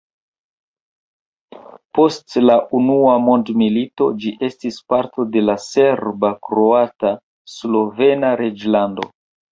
Post la unua mondmilito, ĝi estis parto de la Serba-Kroata-Slovena Reĝlando.